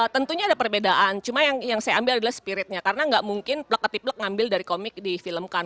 tentunya ada perbedaan cuma yang saya ambil adalah spiritnya karena enggak mungkin plek keti plek ngambil dari komik di filmkan